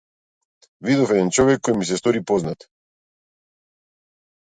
Видов еден човек кој ми се стори познат.